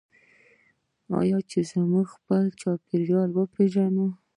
آیا چې موږ خپل چاپیریال وپیژنو؟